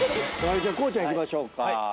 じゃあ光ちゃんいきましょうか。